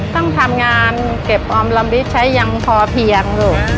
ต้องทำงานเก็บออมลำลิดใช้ยังพอเพียงลูก